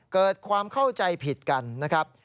เกิดความเข้าใจผิดกันนะครับ